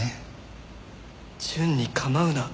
淳に構うな。